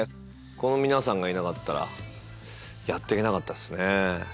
この皆さんがいなかったらやっていけなかったっすね。